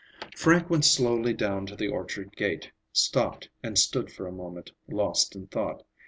Frank went slowly down to the orchard gate, stopped and stood for a moment lost in thought.